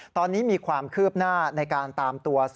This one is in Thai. ตอนนี้มีความคืบหน้าในการตามตัว